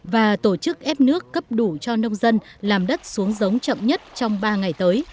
và tổ chức ép nước cấp đủ cho nông dân làm đất xuống giống chậm nhất trong ba ngày tới